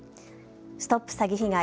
ＳＴＯＰ詐欺被害！